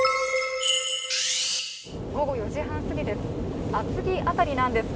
午後４時半過ぎです。